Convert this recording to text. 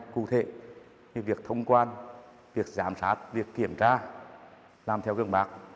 cụ thể như việc thông quan việc giám sát việc kiểm tra làm theo gương mạc